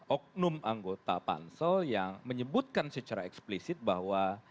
oknum anggota pansel yang menyebutkan secara eksplisit bahwa